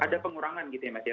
ada pengurangan gitu ya mas ya